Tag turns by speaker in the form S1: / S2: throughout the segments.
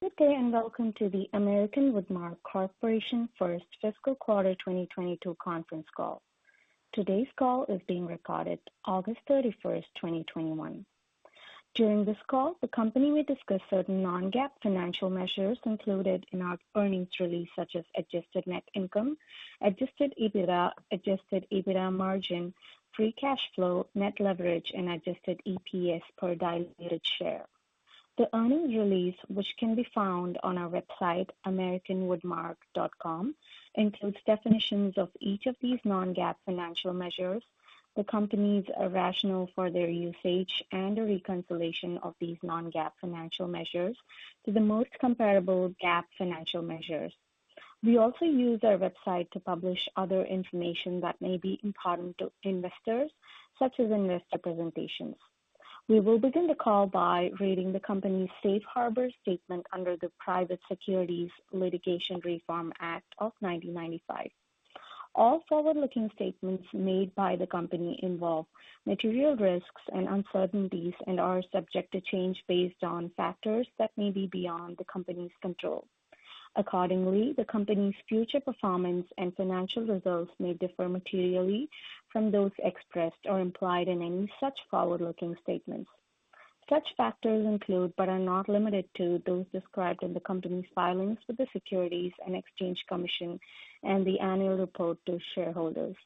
S1: Good day, and welcome to the American Woodmark Corporation's first fiscal quarter 2022 conference call. Today's call is being recorded August 31st, 2021. During this call, the company will discuss certain non-GAAP financial measures included in our earnings release, such as adjusted net income, adjusted EBITDA, adjusted EBITDA margin, free cash flow, net leverage, and adjusted EPS per diluted share. The earnings release, which can be found on our website, americanwoodmark.com, includes definitions of each of these non-GAAP financial measures, the company's rationale for their usage, and a reconciliation of these non-GAAP financial measures to the most comparable GAAP financial measures. We also use our website to publish other information that may be important to investors, such as investor presentations. We will begin the call by reading the company's safe harbor statement under the Private Securities Litigation Reform Act of 1995. All forward-looking statements made by the company involve material risks and uncertainties and are subject to change based on factors that may be beyond the company's control. Accordingly, the company's future performance and financial results may differ materially from those expressed or implied in any such forward-looking statements. Such factors include, but are not limited to, those described in the company's filings with the Securities and Exchange Commission and the annual report to shareholders.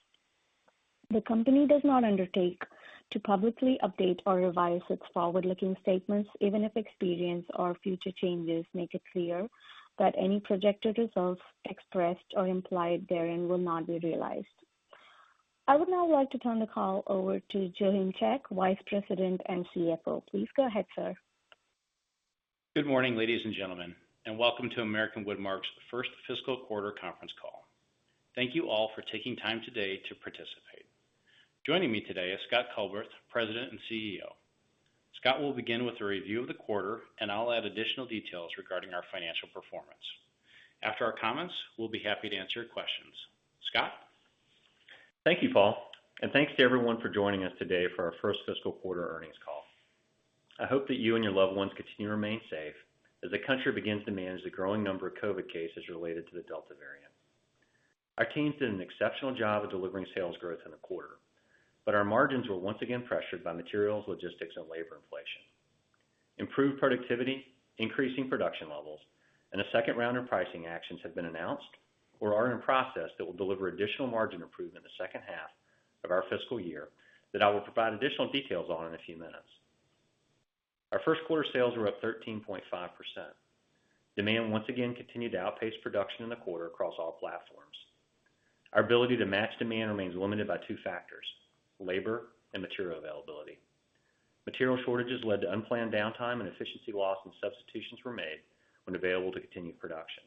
S1: The company does not undertake to publicly update or revise its forward-looking statements, even if experience or future changes make it clear that any projected results expressed or implied therein will not be realized. I would now like to turn the call over to Paul Joachimczyk, Senior Vice President and Chief Financial Officer. Please go ahead, sir.
S2: Good morning, ladies and gentlemen, welcome to American Woodmark's first fiscal quarter conference call. Thank you all for taking time today to participate. Joining me today is Scott Culbreth, President and CEO. Scott will begin with a review of the quarter, and I'll add additional details regarding our financial performance. After our comments, we'll be happy to answer your questions. Scott?
S3: Thank you, Paul, and thanks to everyone for joining us today for our first fiscal quarter earnings call. I hope that you and your loved ones continue to remain safe as the country begins to manage the growing number of COVID cases related to the Delta variant. Our team did an exceptional job of delivering sales growth in the quarter, but our margins were once again pressured by materials, logistics, and labor inflation. Improved productivity, increasing production levels, and a second round of pricing actions have been announced or are in process that will deliver additional margin improvement in the second half of our fiscal year that I will provide additional details on in a few minutes. Our first quarter sales were up 13.5%. Demand once again continued to outpace production in the quarter across all platforms. Our ability to match demand remains limited by two factors, labor and material availability. Material shortages led to unplanned downtime and efficiency loss, and substitutions were made when available to continue production.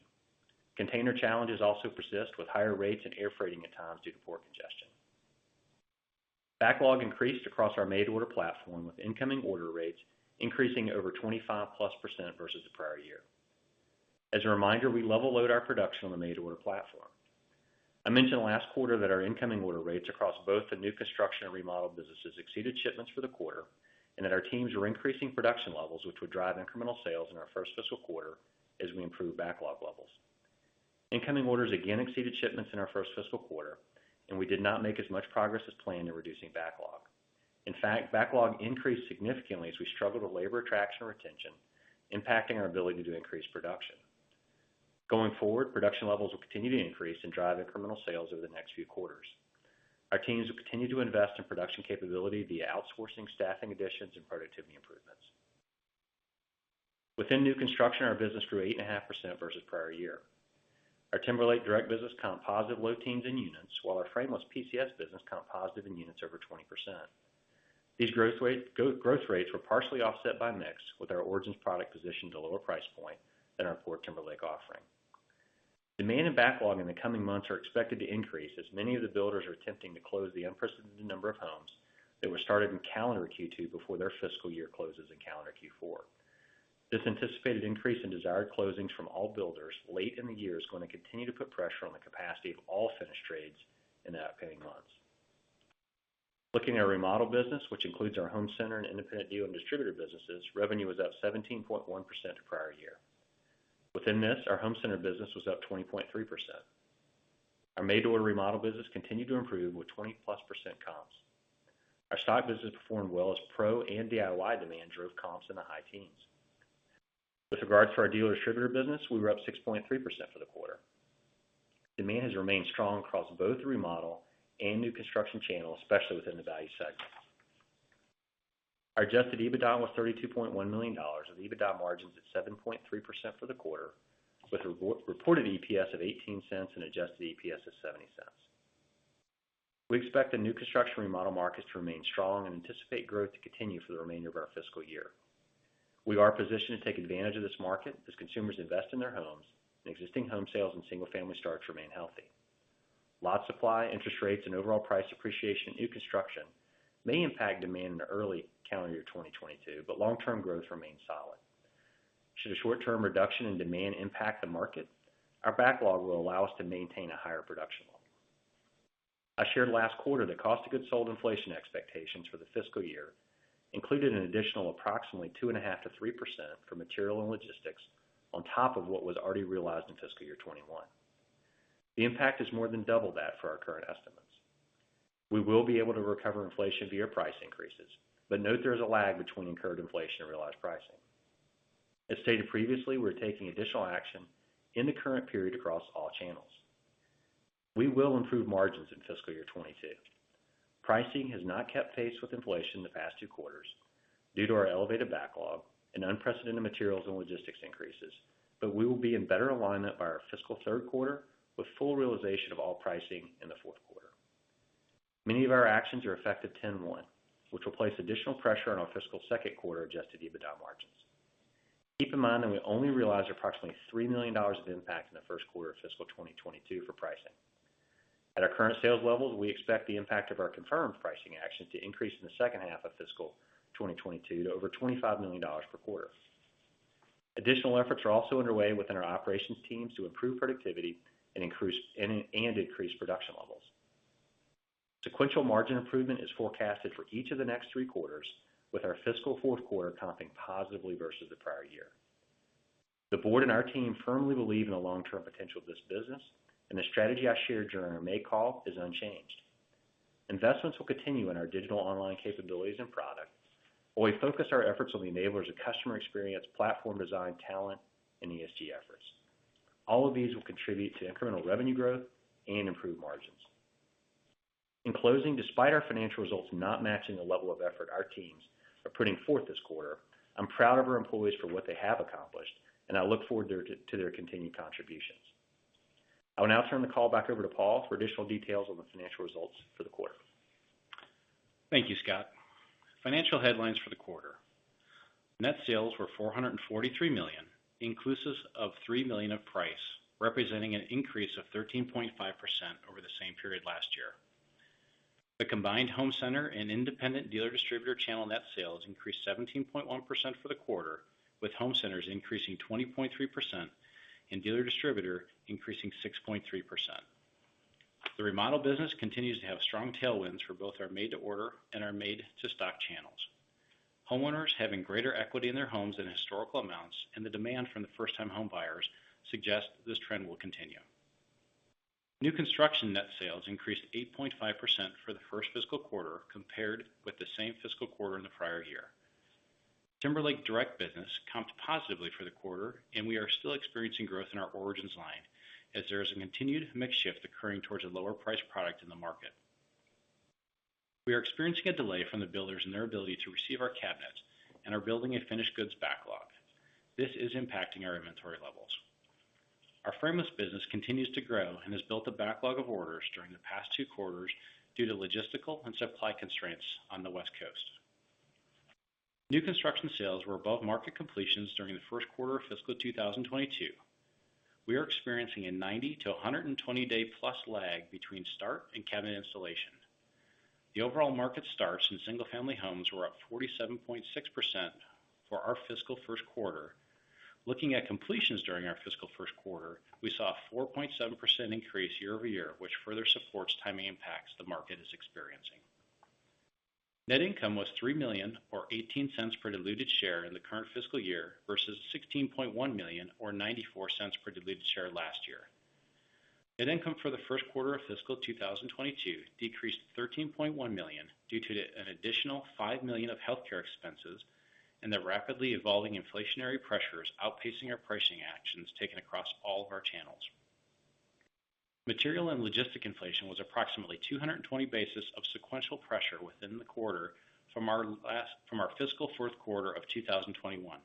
S3: Container challenges also persist with higher rates and air freight at times due to port congestion. Backlog increased across our made-to-order platform, with incoming order rates increasing over 25%+ versus the prior year. As a reminder, we level load our production on the made-to-order platform. I mentioned last quarter that our incoming order rates across both the new construction and remodel businesses exceeded shipments for the quarter, and that our teams were increasing production levels, which would drive incremental sales in our first fiscal quarter as we improve backlog levels. Incoming orders again exceeded shipments in our first fiscal quarter. We did not make as much progress as planned in reducing backlog. In fact, backlog increased significantly as we struggled with labor attraction and retention, impacting our ability to increase production. Going forward, production levels will continue to increase and drive incremental sales over the next few quarters. Our teams will continue to invest in production capability via outsourcing, staffing additions, and productivity improvements. Within new construction, our business grew 8.5% versus prior year. Our Timberlake direct business comped positive low teens in units, while our frameless PCS business comped positive in units over 20%. These growth rates were partially offset by mix with our Origins product position to a lower price point than our core Timberlake offering. Demand and backlog in the coming months are expected to increase as many of the builders are attempting to close the unprecedented number of homes that were started in calendar Q2 before their fiscal year closes in calendar Q4. This anticipated increase in desired closings from all builders late in the year is going to continue to put pressure on the capacity of all finish trades in the upcoming months. Looking at remodel business, which includes our home center and independent dealer and distributor businesses, revenue was up 17.1% to prior year. Within this, our home center business was up 20.3%. Our made-to-order remodel business continued to improve, with 20% plus comps. Our stock business performed well as pro and DIY demand drove comps in the high teens. With regards to our dealer distributor business, we were up 6.3% for the quarter. Demand has remained strong across both the remodel and new construction channels, especially within the value segment. Our adjusted EBITDA was $32.1 million with EBITDA margins at 7.3% for the quarter, with reported EPS of $0.18 and adjusted EPS of $0.70. We expect the new construction remodel markets to remain strong and anticipate growth to continue for the remainder of our fiscal year. We are positioned to take advantage of this market as consumers invest in their homes and existing home sales and single-family starts remain healthy. Lot supply, interest rates, and overall price appreciation in new construction may impact demand in the early calendar year 2022, but long-term growth remains solid. Should a short-term reduction in demand impact the market, our backlog will allow us to maintain a higher production level. I shared last quarter the cost of goods sold inflation expectations for the fiscal year included an additional approximately 2.5%-3% for material and logistics on top of what was already realized in fiscal year 2021. The impact is more than double that for our current estimates. We will be able to recover inflation via price increases, but note there is a lag between incurred inflation and realized pricing. As stated previously, we're taking additional action in the current period across all channels. We will improve margins in fiscal year 2022. Pricing has not kept pace with inflation the past two quarters due to our elevated backlog and unprecedented materials and logistics increases, but we will be in better alignment by our fiscal third quarter with full realization of all pricing in the fourth quarter. Many of our actions are effective 10/1, which will place additional pressure on our fiscal second quarter adjusted EBITDA margins. Keep in mind that we only realized approximately $3 million of impact in the first quarter of fiscal 2022 for pricing. At our current sales levels, we expect the impact of our confirmed pricing actions to increase in the second half of fiscal 2022 to over $25 million per quarter. Additional efforts are also underway within our operations teams to improve productivity and increase production levels. Sequential margin improvement is forecasted for each of the next three quarters, with our fiscal fourth quarter comping positively versus the prior year. The board and our team firmly believe in the long-term potential of this business, and the strategy I shared during our May call is unchanged. Investments will continue in our digital online capabilities and product, while we focus our efforts on the enablers of customer experience, platform design, talent, and ESG efforts. All of these will contribute to incremental revenue growth and improved margins. In closing, despite our financial results not matching the level of effort our teams are putting forth this quarter, I'm proud of our employees for what they have accomplished, and I look forward to their continued contributions. I will now turn the call back over to Paul for additional details on the financial results for the quarter.
S2: Thank you, Scott. Financial headlines for the quarter. Net sales were $443 million, inclusive of $3 million of price, representing an increase of 13.5% over the same period last year. The combined home center and independent dealer distributor channel net sales increased 17.1% for the quarter, with home centers increasing 20.3% and dealer distributor increasing 6.3%. The remodel business continues to have strong tailwinds for both our made-to-order and our made-to-stock channels. Homeowners having greater equity in their homes than historical amounts and the demand from the first-time homebuyers, suggest this trend will continue. New construction net sales increased 8.5% for the first fiscal quarter compared with the same fiscal quarter in the prior year. Timberlake's direct business comped positively for the quarter, and we are still experiencing growth in our Origins line as there is a continued mix shift occurring towards a lower-priced product in the market. We are experiencing a delay from the builders in their ability to receive our cabinets, and are building a finished goods backlog. This is impacting our inventory levels. Our frameless business continues to grow and has built a backlog of orders during the past two quarters due to logistical and supply constraints on the West Coast. New construction sales were above market completions during the first quarter of fiscal 2022. We are experiencing a 90- to 120-day-plus lag between start and cabinet installation. The overall market starts in single-family homes were up 47.6% for our fiscal first quarter. Looking at completions during our fiscal first quarter, we saw a 4.7% increase year-over-year, which further supports timing impacts the market is experiencing. Net income was $3 million, or $0.18 per diluted share, in the current fiscal year versus $16.1 million, or $0.94 per diluted share, last year. Net income for the first quarter of fiscal 2022 decreased to $13.1 million due to an additional $5 million of healthcare expenses and the rapidly evolving inflationary pressures outpacing our pricing actions taken across all of our channels. Material and logistic inflation was approximately 220 basis of sequential pressure within the quarter from our fiscal fourth quarter of 2021.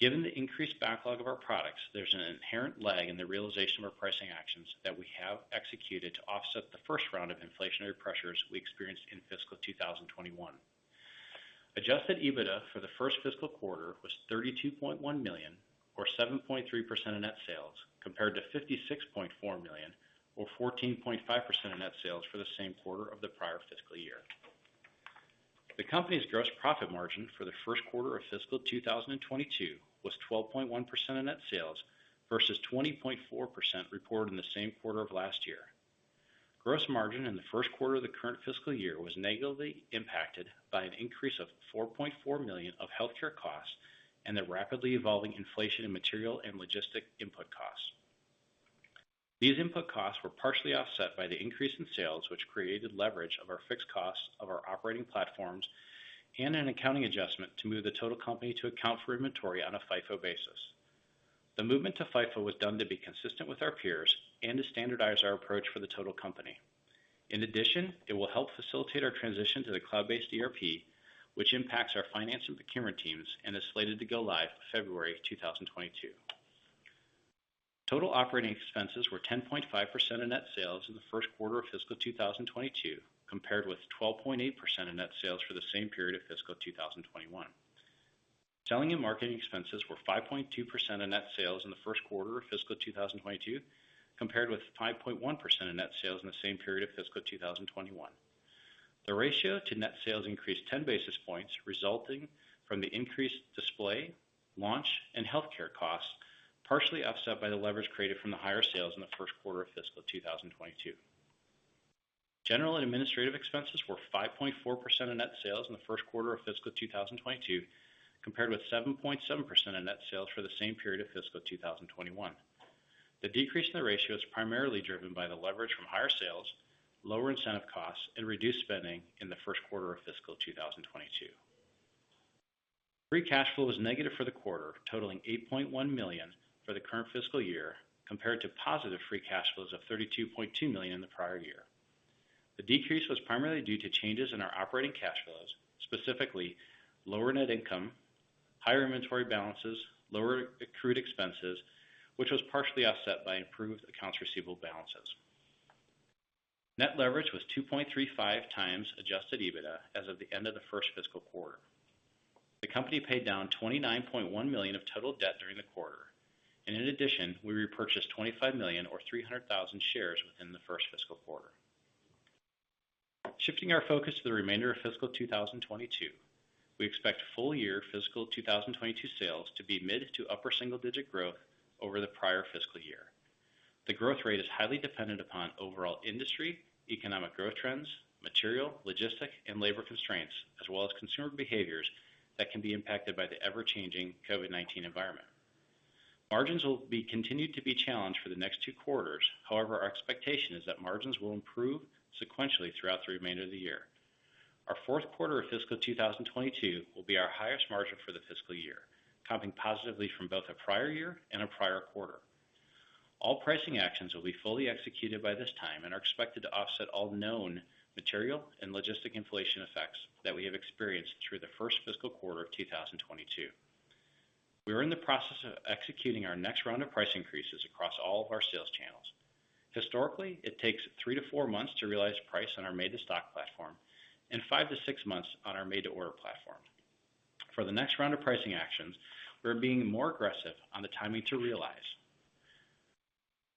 S2: Given the increased backlog of our products, there's an inherent lag in the realization of our pricing actions that we have executed to offset the first round of inflationary pressures we experienced in fiscal 2021. Adjusted EBITDA for the first fiscal quarter was $32.1 million, or 7.3% of net sales, compared to $56.4 million, or 14.5% of net sales, for the same quarter of the prior fiscal year. The company's gross profit margin for the first quarter of fiscal 2022 was 12.1% of net sales versus 20.4% reported in the same quarter of last year. Gross margin in the first quarter of the current fiscal year was negatively impacted by an increase of $4.4 million of healthcare costs and the rapidly evolving inflation in material and logistic input costs. These input costs were partially offset by the increase in sales, which created leverage of our fixed costs of our operating platforms and an accounting adjustment to move the total company to account for inventory on a FIFO basis. The movement to FIFO was done to be consistent with our peers and to standardize our approach for the total company. In addition, it will help facilitate our transition to the cloud-based ERP, which impacts our finance and procurement teams and is slated to go live February 2022. Total operating expenses were 10.5% of net sales in the first quarter of fiscal 2022, compared with 12.8% of net sales for the same period of fiscal 2021. Selling and marketing expenses were 5.2% of net sales in the first quarter of fiscal 2022, compared with 5.1% of net sales in the same period of fiscal 2021. The ratio to net sales increased 10 basis points, resulting from the increased display, launch, and healthcare costs, partially offset by the leverage created from the higher sales in the first quarter of fiscal 2022. General and administrative expenses were 5.4% of net sales in the first quarter of fiscal 2022, compared with 7.7% of net sales for the same period of fiscal 2021. The decrease in the ratio is primarily driven by the leverage from higher sales, lower incentive costs, and reduced spending in the first quarter of fiscal 2022. Free cash flow was negative for the quarter, totaling $8.1 million for the current fiscal year, compared to positive free cash flows of $32.2 million in the prior year. The decrease was primarily due to changes in our operating cash flows, specifically lower net income, higher inventory balances, lower accrued expenses, which was partially offset by improved accounts receivable balances. Net leverage was 2.35 times adjusted EBITDA as of the end of the first fiscal quarter. The company paid down $29.1 million of total debt during the quarter. In addition, we repurchased $25 million or 300,000 shares within the first fiscal quarter. Shifting our focus to the remainder of fiscal 2022, we expect full-year fiscal 2022 sales to be mid to upper single-digit growth over the prior fiscal year. The growth rate is highly dependent upon overall industry, economic growth trends, material, logistic, and labor constraints, as well as consumer behaviors that can be impacted by the ever-changing COVID-19 environment. Margins will be continued to be challenged for the next two quarters. However, our expectation is that margins will improve sequentially throughout the remainder of the year. Our fourth quarter of fiscal 2022 will be our highest margin for the fiscal year, comping positively from both a prior year and a prior quarter. All pricing actions will be fully executed by this time and are expected to offset all known material and logistic inflation effects that we have experienced through the first fiscal quarter of 2022. We are in the process of executing our next round of price increases across all of our sales channels. Historically, it takes 3-4 months to realize price on our made-to-stock platform and 5-6 months on our made-to-order platform. For the next round of pricing actions, we're being more aggressive on the timing to realize.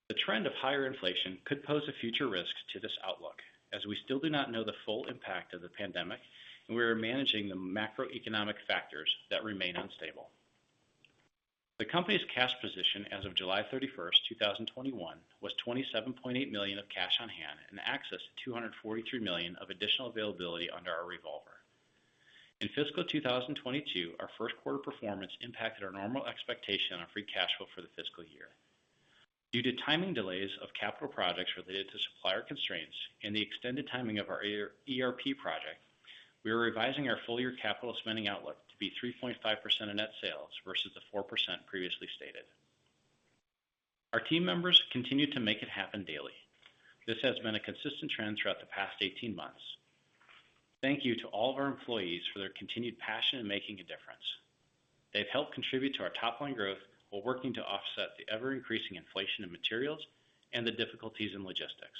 S2: The trend of higher inflation could pose a future risk to this outlook, as we still do not know the full impact of the pandemic, and we are managing the macroeconomic factors that remain unstable. The company's cash position as of July 31, 2021, was $27.8 million of cash on hand and access to $243 million of additional availability under our revolver. In fiscal 2022, our first quarter performance impacted our normal expectation on our free cash flow for the fiscal year. Due to timing delays of capital projects related to supplier constraints and the extended timing of our ERP project, we are revising our full-year capital spending outlook to be 3.5% of net sales versus the 4% previously stated. Our team members continue to make it happen daily. This has been a consistent trend throughout the past 18 months. Thank you to all of our employees for their continued passion in making a difference. They've helped contribute to our top-line growth while working to offset the ever-increasing inflation of materials and the difficulties in logistics.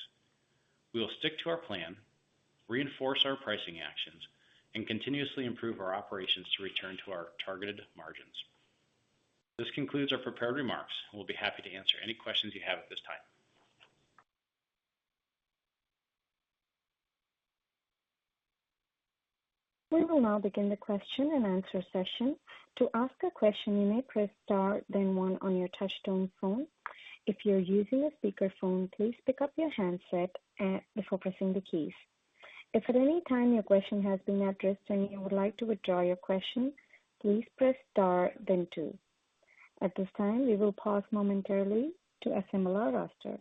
S2: We will stick to our plan, reinforce our pricing actions, and continuously improve our operations to return to our targeted margins. This concludes our prepared remarks, and we'll be happy to answer any questions you have at this time.
S1: We will now begin the question and answer session. To ask a question, you may press star then one on your touch-tone phone. If you're using a speakerphone, please pick up your handset before pressing the keys. If at any time your question has been addressed and you would like to withdraw your question, please press star then two. At this time, we will pause momentarily to assemble our roster.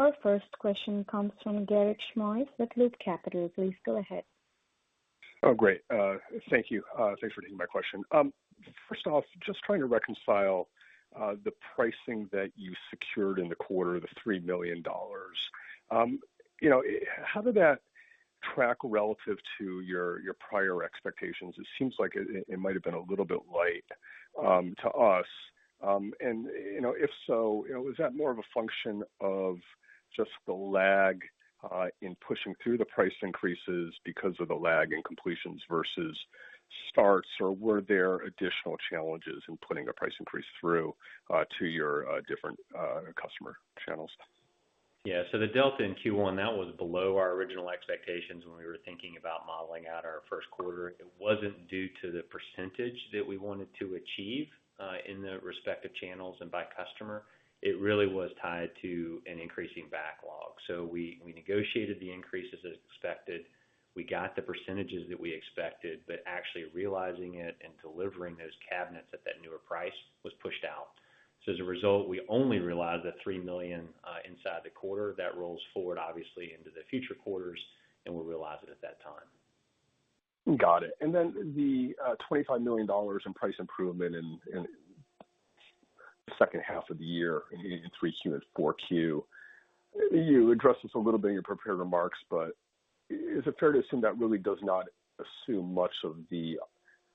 S1: Our first question comes from Garik Shmois with Loop Capital. Please go ahead.
S4: Oh, great. Thank you. Thanks for taking my question. First off, just trying to reconcile the pricing that you secured in the quarter, the $3 million. How did that track relative to your prior expectations? It seems like it might have been a little bit light to us. If so, was that more of a function of just the lag in pushing through the price increases because of the lag in completions versus starts? Were there additional challenges in putting a price increase through to your different customer channels?
S2: Yeah. The Delta in Q1, that was below our original expectations when we were thinking about modeling out our first quarter. It wasn't due to the % that we wanted to achieve, in the respective channels and by customer. It really was tied to an increasing backlog. We negotiated the increases as expected. We got the %s that we expected, actually realizing it and delivering those cabinets at that newer price was pushed out. As a result, we only realized that $3 million inside the quarter. That rolls forward, obviously, into the future quarters, we'll realize it at that time.
S4: Got it. Then the $25 million in price improvement in the second half of the year in 3Q and 4Q, you addressed this a little bit in your prepared remarks, but is it fair to assume that really does not assume much of the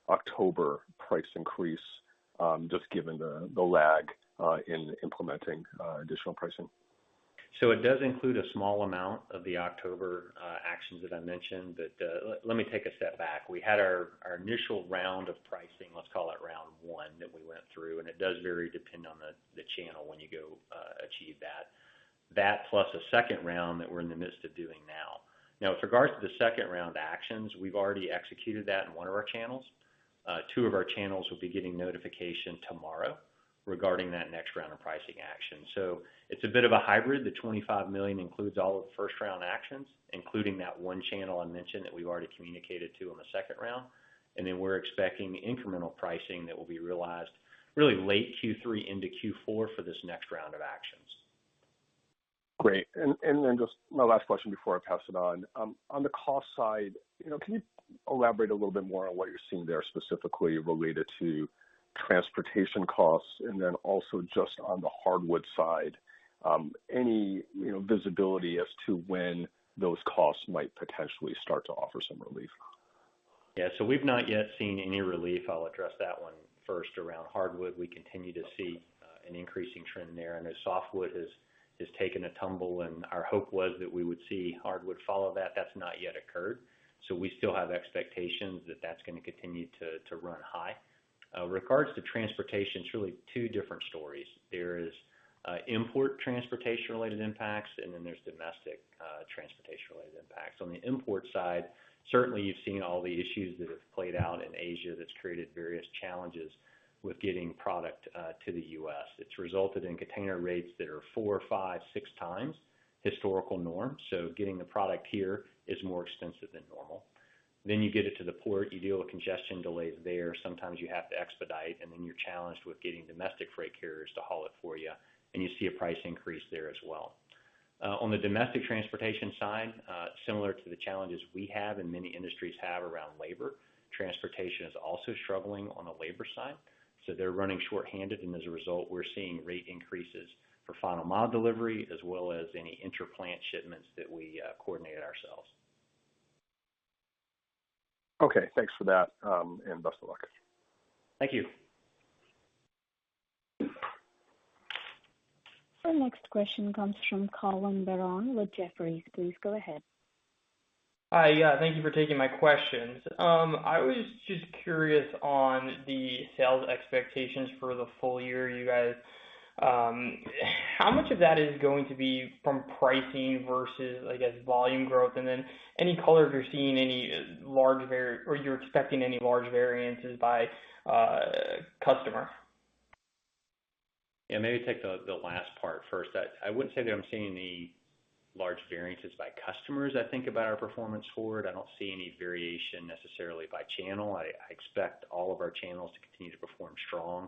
S4: October price increase, just given the lag in implementing additional pricing?
S3: It does include a small amount of the October actions that I mentioned. Let me take a step back. We had our initial round of pricing, let's call it round one, that we went through, and it does very depend on the channel when you go achieve that. That, plus a second round that we're in the midst of doing now. With regards to the second-round actions, we've already executed that in one of our channels. Two of our channels will be getting a notification tomorrow regarding the next round of pricing action. It's a bit of a hybrid. The $25 million includes all of the first-round actions, including that one channel I mentioned that we've already communicated to on the second round, and then we're expecting incremental pricing that will be realized really late Q3 into Q4 for this next round of actions.
S4: Great. Then just my last question before I pass it on. On the cost side, can you elaborate a little bit more on what you're seeing there, specifically related to transportation costs, then also just on the hardwood side? Any visibility as to when those costs might potentially start to offer some relief?
S3: We've not yet seen any relief. I'll address that one first. Around hardwood, we continue to see an increasing trend there. As softwood has taken a tumble, and our hope was that we would see hardwood follow, that has not yet occurred. We still have expectations that that's going to continue to run high. With regards to transportation, it's really two different stories. There is import transportation-related impacts, and then there's domestic transportation-related impacts. On the import side, certainly you've seen all the issues that have played out in Asia, that's created various challenges with getting product to the U.S. It's resulted in container rates that are four, five, six times historical norm. Getting the product here is more expensive than normal. You get it to the port, you deal with congestion delays there. Sometimes you have to expedite, then you're challenged with getting domestic freight carriers to haul it for you see a price increase there as well. On the domestic transportation side, similar to the challenges we have and many industries have around labor, transportation is also struggling on the labor side. They're running short-handed, as a result, we're seeing rate increases for final mile delivery, as well as any inter-plant shipments that we coordinate ourselves.
S4: Okay, thanks for that, and best of luck.
S3: Thank you.
S1: Our next question comes from Collin Verron with Jefferies. Please go ahead.
S5: Hi. Thank you for taking my questions. I was just curious on the sales expectations for the full year, you guys. How much of that is going to be from pricing versus, I guess, volume growth? Then any color if you're seeing or you're expecting any large variances by customer.
S3: Yeah, maybe take the last part first. I wouldn't say that I'm seeing any large variances by customers about our performance forward. I don't see any variation necessarily by channel. I expect all of our channels to continue to perform strong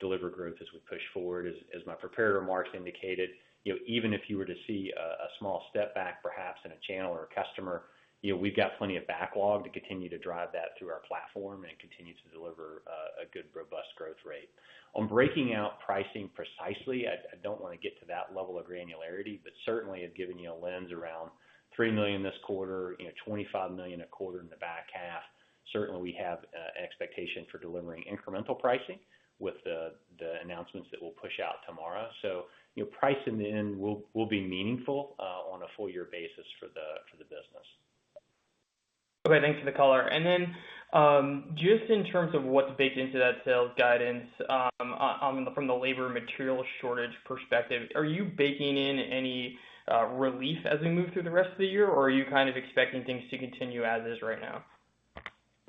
S3: deliver growth as we push forward. As my prepared remarks indicated, even if you were to see a small step back, perhaps in a channel or a customer, we've got plenty of backlog to continue to drive that through our platform and continue to deliver a good, robust growth rate. On breaking out pricing precisely, I don't want to get to that level of granularity, but certainly, I've given you a lens around $3 million this quarter, $25 million a quarter in the back half. Certainly, we have an expectation for delivering incremental pricing with the announcements that we'll push out tomorrow. Price in the end will be meaningful on a full-year basis for the business.
S5: Okay, thanks for the color. Just in terms of what's baked into that sales guidance from the labor material shortage perspective, are you baking in any relief as we move through the rest of the year, or are you kind of expecting things to continue as is right now?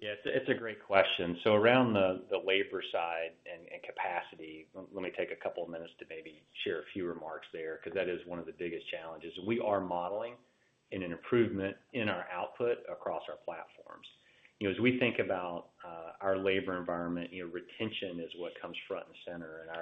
S3: Yeah, it's a great question. Around the labor side and capacity, let me take a couple of minutes to maybe share a few remarks there, because that is one of the biggest challenges. We are modeling in an improvement in our output across our platforms. As we think about our labor environment, retention is what comes front and center, and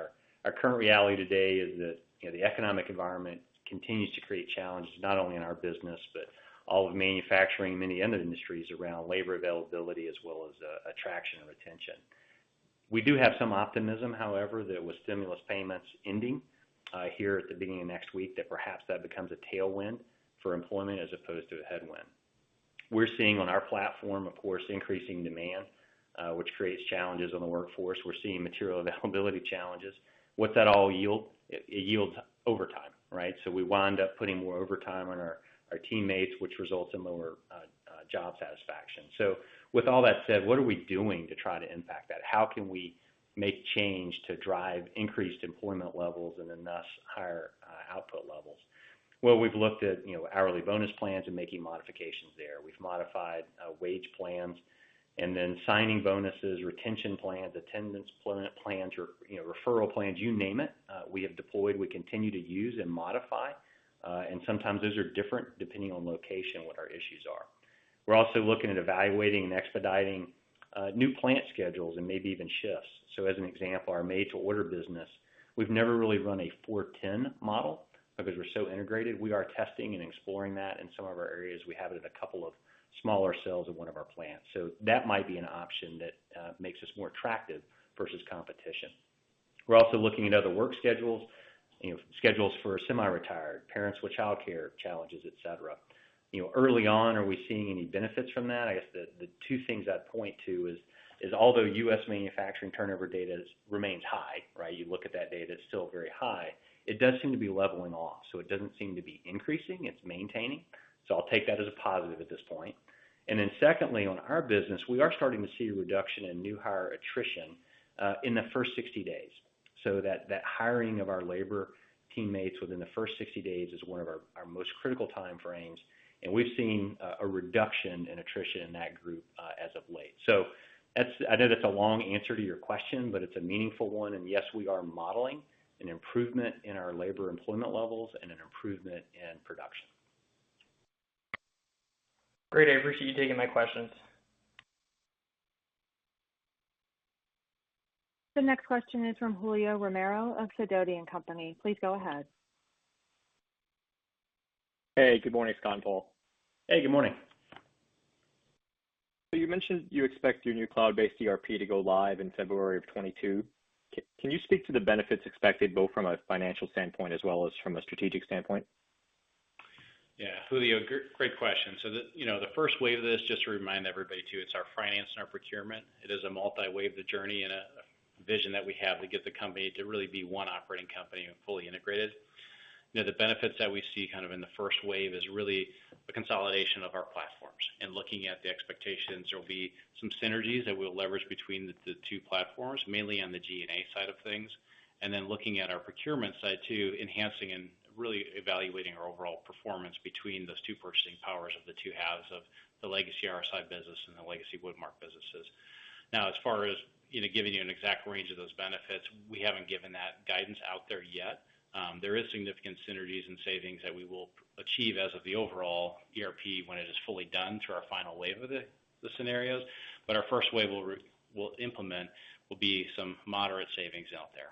S3: our current reality today is that the economic environment continues to create challenges not only in our business, but all of manufacturing, many end industries around labor availability, as well as attraction and retention. We do have some optimism, however, that with stimulus payments ending here at the beginning of next week, that perhaps that becomes a tailwind for employment as opposed to a headwind. We're seeing on our platform, of course, increasing demand, which creates challenges on the workforce. We're seeing material availability challenges. What that all yield? It yields overtime, right? We wind up putting more overtime on our teammates, which results in lower job satisfaction. With all that said, what are we doing to try to impact that? How can we make change to drive increased employment levels and then, thus, higher output levels? We've looked at hourly bonus plans and making modifications there. We've modified wage plans and then signing bonuses, retention plans, attendance plans, referral plans, you name it, we have deployed. We continue to use and modify. Sometimes those are different depending on location, what our issues are. We're also looking at evaluating and expediting new plant schedules and maybe even shifts. As an example, our made-to-order business, we've never really run a 4/10 model because we're so integrated. We are testing and exploring that in some of our areas. We have it in a couple of smaller cells in one of our plants. That might be an option that makes us more attractive versus competition. We're also looking at other work schedules for semi-retired, parents with childcare challenges, et cetera. Early on, are we seeing any benefits from that? I guess the two things I'd point to is, although U.S. manufacturing turnover data remains high, right? You look at that data, it's still very high. It does seem to be leveling off. It doesn't seem to be increasing, it's maintaining. I'll take that as a positive at this point. Secondly, on our business, we are starting to see a reduction in new hire attrition in the first 60 days. That hiring of our labor teammates within the first 60 days is one of our most critical time frames, and we've seen a reduction in attrition in that group as of late. I know that's a long answer to your question, but it's a meaningful one. Yes, we are modeling an improvement in our labor employment levels and an improvement in production.
S5: Great. I appreciate you taking my questions.
S1: The next question is from Julio Romero of Sidoti & Company. Please go ahead.
S6: Hey, good morning, Scott and Paul.
S3: Hey, good morning.
S6: You mentioned you expect your new cloud-based ERP to go live in February 2022. Can you speak to the benefits expected both from a financial standpoint as well as from a strategic standpoint?
S2: Yeah. Julio, great question. The first wave of this, just to remind everybody, too, it's our finance and our procurement. It is a multi-wave journey and a vision that we have to get the company to really be one operating company and fully integrated. The benefits that we see, kind of in the first wave is really the consolidation of our platforms and looking at the expectations. There'll be some synergies that we'll leverage between the two platforms, mainly on the G&A side of things. Looking at our procurement side too, enhancing and really evaluating our overall performance between those two purchasing powers of the two halves of the legacy RSI business and the legacy Woodmark businesses. As far as giving you an exact range of those benefits, we haven't given that guidance out there yet. There is significant synergies and savings that we will achieve as of the overall ERP when it is fully done through our final wave of the scenarios. Our first wave we'll implement will be some moderate savings out there.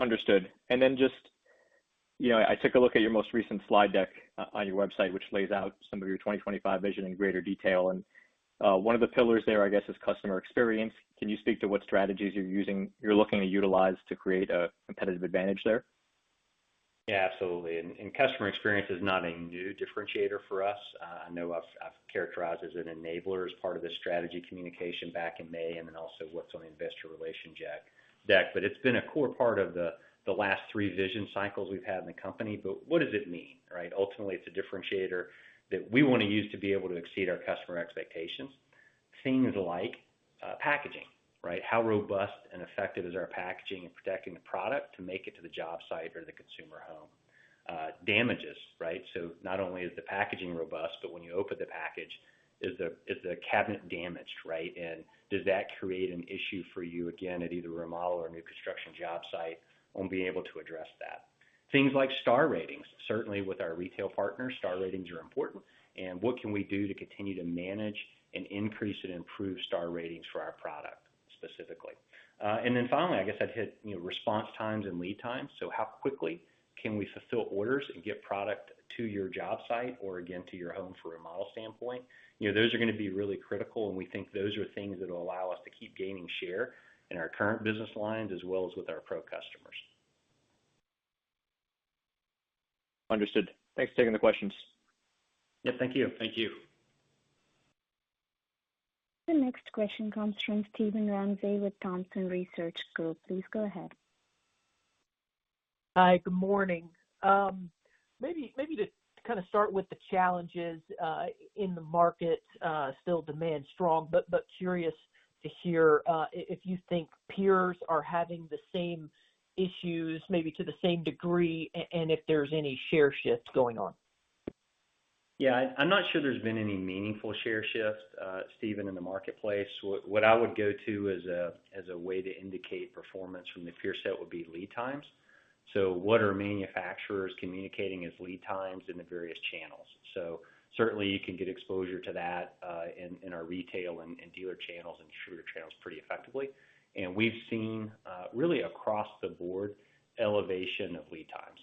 S6: Understood. Then just, I took a look at your most recent slide deck on your website, which lays out some of your 2025 vision in greater detail. One of the pillars there, I guess, is customer experience. Can you speak to what strategies you're looking to utilize to create a competitive advantage there?
S3: Yeah, absolutely. Customer experience is not a new differentiator for us. I know I've characterized as an enabler as part of the strategy communication back in May, and then also what's on the investor relations deck. It's been a core part of the last three vision cycles we've had in the company. What does it mean, right? Ultimately, it's a differentiator that we want to use to be able to exceed our customer expectations. Things like packaging, right? How robust and effective is our packaging in protecting the product to make it to the job site or the consumer's home? Damages, right? Not only is the packaging robust, but when you open the package, is the cabinet damaged, right? Does that create an issue for you, again, at either a remodel or a new construction job site, on being able to address that? Things like star ratings. Certainly, with our retail partners, star ratings are important, and what can we do to continue to manage an increase and improve star ratings for our product specifically? Finally, I guess I'd hit response times and lead times. How quickly can we fulfill orders and get product to your job site or again, to your home for a remodel standpoint? Those are going to be really critical, and we think those are things that will allow us to keep gaining share in our current business lines as well as with our pro customers.
S6: Understood. Thanks for taking the questions.
S3: Yeah, thank you.
S2: Thank you.
S1: The next question comes from Steven Ramsey with Thompson Research Group. Please go ahead.
S7: Hi. Good morning. Maybe to kind of start with the challenges, in the market, still demand strong, curious to hear if you think peers are having the same issues, maybe to the same degree, and if there's any share shifts going on.
S3: Yeah. I'm not sure there's been any meaningful share shifts, Steven, in the marketplace. What I would go to as a way to indicate performance from the peer set would be lead times. What are manufacturers communicating as lead times in the various channels? Certainly, you can get exposure to that in our retail and dealer channels and distributor channels pretty effectively. We've seen, really across the board, elevation of lead times.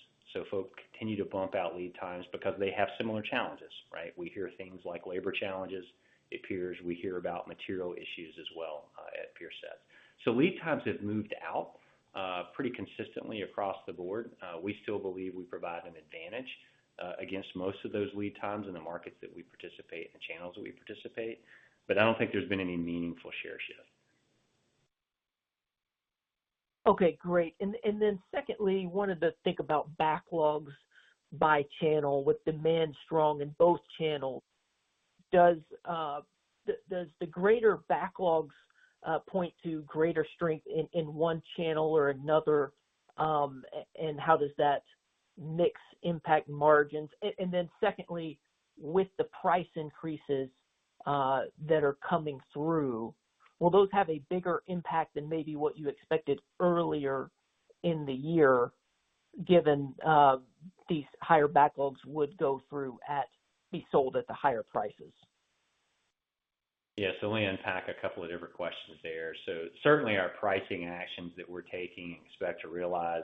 S3: Folk continue to bump out lead times because they have similar challenges, right? We hear things like labor challenges at peers. We hear about material issues as well at peer sets. Lead times have moved out pretty consistently across the board. We still believe we provide an advantage against most of those lead times in the markets that we participate and channels that we participate, but I don't think there's been any meaningful share shift.
S7: Okay, great. Secondly, wanted to think about backlogs by channel, with demand strong in both channels. Does the greater backlogs point to greater strength in one channel or another? How does that mix impact margins? Secondly, with the price increases that are coming through, will those have a bigger impact than maybe what you expected earlier in the year, given these higher backlogs would go through at be sold at the higher prices?
S3: Yeah. Let me unpack two different questions there. Certainly our pricing actions that we're taking and expect to realize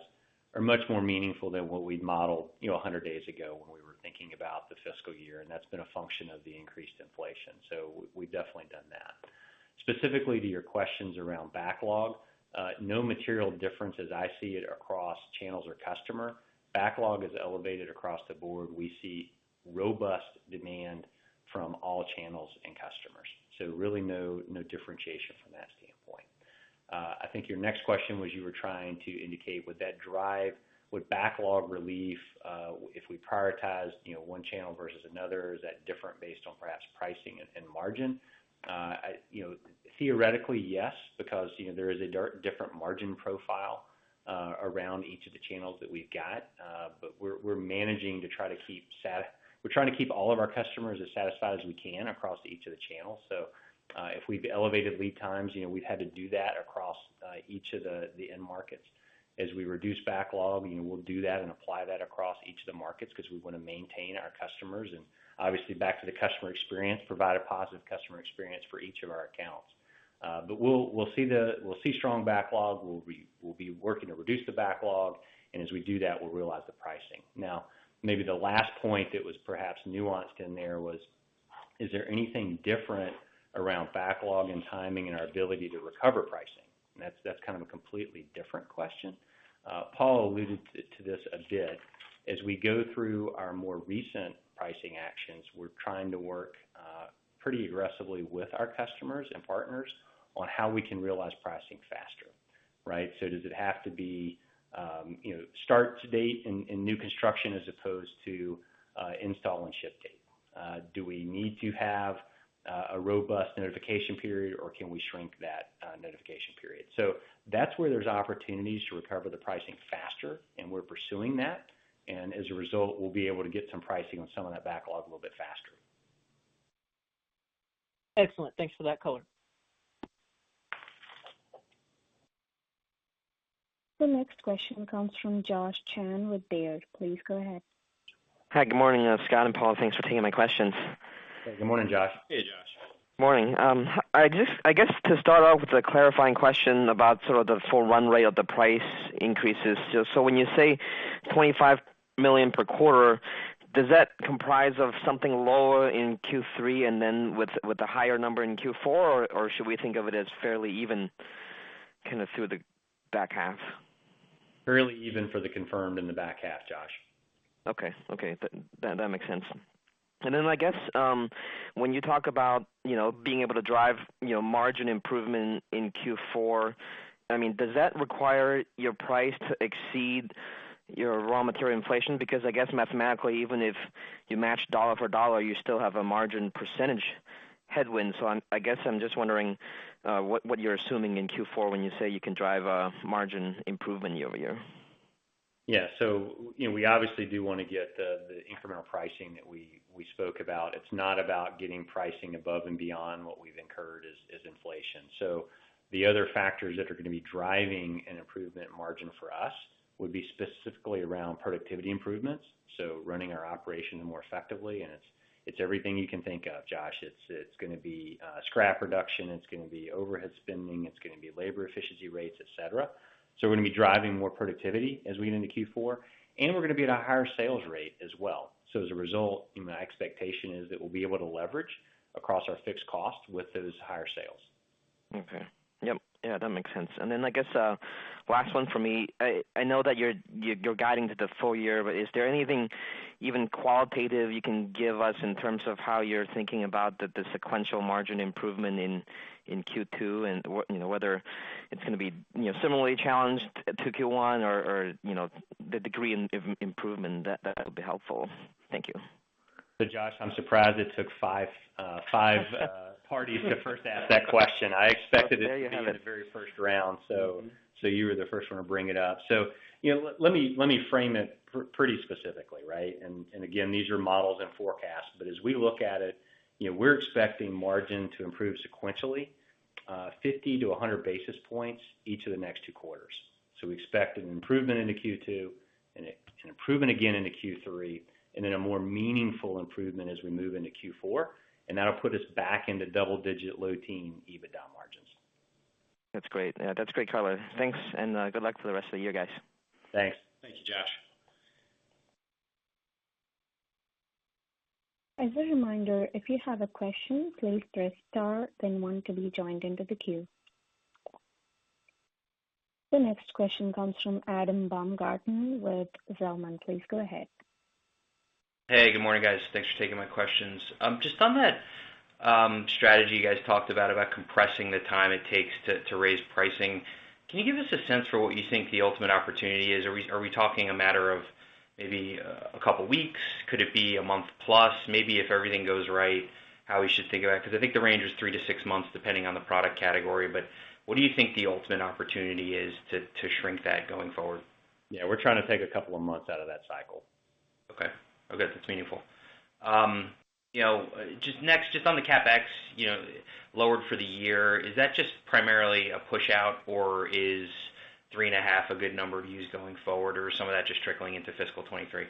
S3: are much more meaningful than what we'd modeled 100 days ago when we were thinking about the fiscal year, and that's been a function of the increased inflation. We've definitely done that. Specifically to your questions around backlog, no material difference as I see it across channels or customer. Backlog is elevated across the board. We see robust demand from all channels and customers. Really, no differentiation from that standpoint. I think your next question was you were trying to indicate would backlog relief, if we prioritized one channel versus another, is that different based on perhaps pricing and margin? Theoretically, yes, because there is a different margin profile around each of the channels that we've got. We're trying to keep all of our customers as satisfied as we can across each of the channels. If we've elevated lead times, we've had to do that across each of the end markets. As we reduce backlog, we'll do that and apply that across each of the markets because we want to maintain our customers, and obviously, back to the customer experience, provide a positive customer experience for each of our accounts. We'll see strong backlog. We'll be working to reduce the backlog. As we do that, we'll realize the pricing. Maybe the last point that was perhaps nuanced in there was, is there anything different around backlog and timing, and our ability to recover pricing? That's kind of a completely different question. Paul alluded to this a bit. As we go through our more recent pricing actions, we're trying to work pretty aggressively with our customers and partners on how we can realize pricing faster. Right? Does it have to be start to date in new construction as opposed to install and ship date? Do we need to have a robust notification period, or can we shrink that notification period? That's where there's opportunities to recover the pricing faster, and we're pursuing that. As a result, we'll be able to get some pricing on some of that backlog a little bit faster.
S7: Excellent. Thanks for that color.
S1: The next question comes from Josh Chan with Baird. Please go ahead.
S8: Hi, good morning, Scott and Paul. Thanks for taking my questions.
S3: Hey, good morning, Josh.
S2: Hey, Josh.
S8: Morning. I guess to start off with a clarifying question about sort of the full run rate of the price increases. When you say $25 million per quarter, does that comprise of something lower in Q3 and then with a higher number in Q4, or should we think of it as fairly even kind of through the back half?
S3: Fairly even for the confirmed in the back half, Josh.
S8: Okay. That makes sense. Then I guess, when you talk about being able to drive margin improvement in Q4, does that require your price to exceed your raw material inflation? I guess mathematically, even if you match dollar for dollar, you still have a margin percentage headwind. I guess I'm just wondering what you're assuming in Q4 when you say you can drive a margin improvement year-over-year.
S3: Yeah. We obviously do want to get the incremental pricing that we spoke about. It's not about getting pricing above and beyond what we've incurred as inflation. The other factors that are going to be driving an improvement margin for us would be specifically around productivity improvements, so running our operation more effectively, and it's everything you can think of, Josh. It's going to be scrap reduction, it's going to be overhead spending, it's going to be labor efficiency rates, et cetera. We're going to be driving more productivity as we get into Q4, and we're going to be at a higher sales rate as well. As a result, my expectation is that we'll be able to leverage across our fixed cost with those higher sales.
S8: Okay. Yep. Yeah, that makes sense. I guess last one for me. I know that you're guiding to the full year. Is there anything, even qualitative, you can give us in terms of how you're thinking about the sequential margin improvement in Q2 and whether it's going to be similarly challenged to Q1 or the degree of improvement? That would be helpful. Thank you.
S3: Josh, I'm surprised it took five parties to first ask that question. I expected it to be the very first round. You were the first one to bring it up. Let me frame it pretty specifically, right? Again, these are models and forecasts, but as we look at it, we're expecting margin to improve sequentially 50-100 basis points each of the next two quarters. We expect an improvement in Q2 and an improvement again in Q3, and then a more meaningful improvement as we move into Q4. That'll put us back into double-digit, low teen EBITDA margins.
S8: That's great. Yeah, that's great color. Thanks, and good luck for the rest of the year, guys.
S3: Thanks.
S2: Thank you, Josh.
S1: As a reminder, if you have a question, please press star then one to be joined into the queue. The next question comes from Adam Baumgarten with Zelman. Please go ahead.
S9: Hey, good morning, guys. Thanks for taking my questions. On that strategy, you guys talked about compressing the time it takes to raise pricing. Can you give us a sense for what you think the ultimate opportunity is? Are we talking a matter of maybe two weeks? Could it be one month plus, maybe if everything goes right? How we should think about it? I think the range is 3-6 months, depending on the product category. What do you think the ultimate opportunity is to shrink that going forward?
S3: Yeah, we're trying to take a couple of months out of that cycle.
S9: Okay. That's meaningful. Just next, just on the CapEx lowered for the year, is that just primarily a pushout, or is three and a half a good number to use going forward, or is some of that just trickling into fiscal 2023?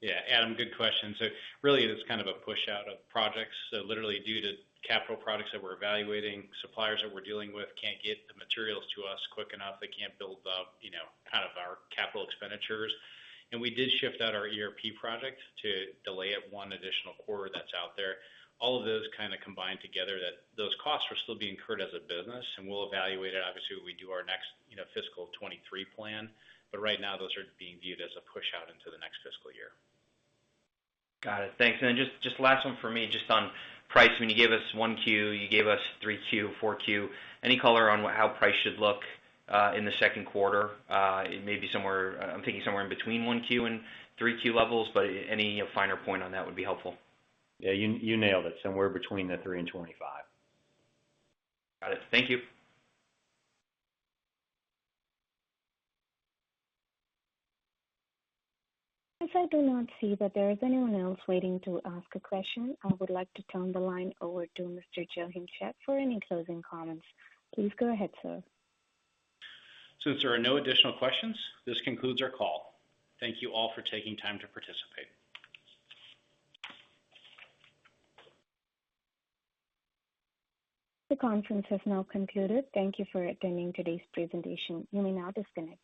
S2: Yeah, Adam, good question. Really, it is kind of a pushout of projects. Literally due to capital projects that we're evaluating, suppliers that we're dealing with can't get the materials to us quick enough. They can't build up our capital expenditures. We did shift out our ERP project to delay it one additional quarter that's out there. All of those kind of combine together that those costs are still being incurred as a business, and we'll evaluate it obviously when we do our next fiscal 2023 plan. Right now, those are being viewed as a pushout into the next fiscal year.
S9: Got it. Thanks. Just last one for me, just on pricing. You gave us 1Q, you gave us 3Q, 4Q. Any color on how price should look in the second quarter? It may be somewhere, I'm thinking somewhere in between 1Q and 3Q levels. Any finer point on that would be helpful.
S3: Yeah, you nailed it. Somewhere between the three and 25.
S9: Got it. Thank you.
S1: As I do not see that there is anyone else waiting to ask a question, I would like to turn the line over to Mr. Paul Joachimczyk for any closing comments. Please go ahead, sir.
S2: Since there are no additional questions, this concludes our call. Thank you all for taking time to participate.
S1: The conference has now concluded. Thank you for attending today's presentation. You may now disconnect.